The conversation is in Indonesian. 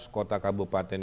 enam belas kota kabupaten